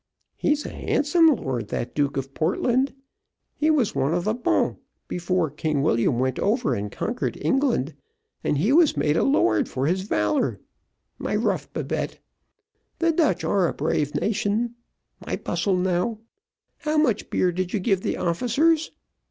He's a handsome lord, that Duke of Portland; he was one of the bon before King William went over and conquered England, and he was made a lord for his valour. My ruff, Babette. The Dutch are a brave nation. My bustle now. How much beer did you give the officers?